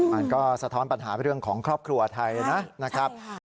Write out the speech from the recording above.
มันก็สะท้อนปัญหาเรื่องของครอบครัวไทยนะครับ